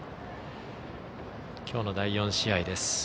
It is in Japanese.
きょうの第４試合です。